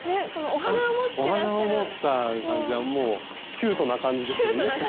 お花を持った感じはもうキュートな感じですよね。